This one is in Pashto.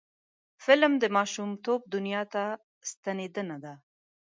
فلم د ماشومتوب دنیا ته ستنیدنه ده